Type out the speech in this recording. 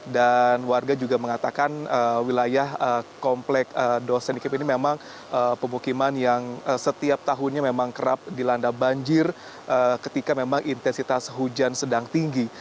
dan warga juga mengatakan wilayah kompleks dosen ikib ini memang pemukiman yang setiap tahunnya memang kerap dilanda banjir ketika memang intensitas hujan sedang tinggi